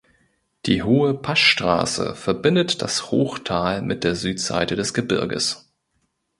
Eine hohe Passstraße verbindet das Hochtal mit der Südseite des Gebirges.